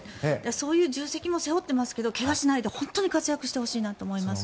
そういう重責も背負っていますけど怪我をしないで活躍してほしいと思います。